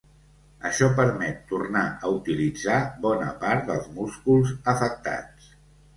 Això permet tornar a utilitzar bona part dels músculs afectats.